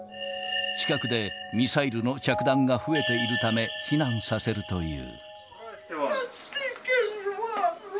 近くでミサイルの着弾が増えているため、避難させるという。